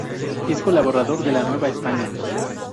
Es colaborador de La Nueva España.